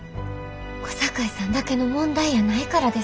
小堺さんだけの問題やないからです。